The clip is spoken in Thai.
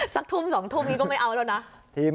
สักทุ่ม๒ทุ่มนี้ก็ไม่เอาแล้วนะ